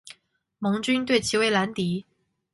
盟军对其为兰迪。